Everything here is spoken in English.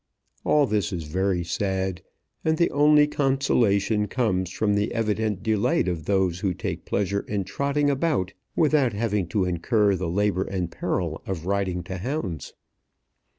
All this is very sad, and the only consolation comes from the evident delight of those who take pleasure in trotting about without having to incur the labour and peril of riding to hounds.